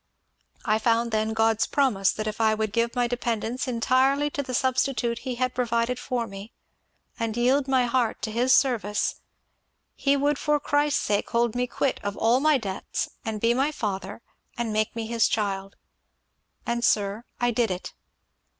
I found then God's promise that if I would give my dependence entirely to the substitute he had provided for me and yield my heart to his service, he would for Christ's sake hold me quit of all my debts and be my father, and make me his child. And, sir, I did it.